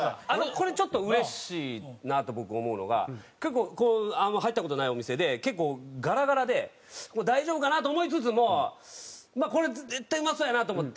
これちょっとうれしいなと僕思うのが結構こうあんまり入った事ないお店で結構ガラガラで大丈夫かな？と思いつつもこれ絶対うまそうやなと思って。